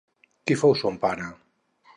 Qui fou son pare?